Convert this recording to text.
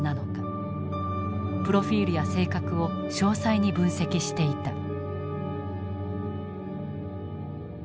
プロフィールや性格を詳細に分析していた。